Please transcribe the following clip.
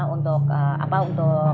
untuk apa untuk makanan nya